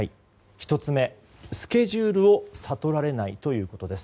１つ目、スケジュールを悟られないということです。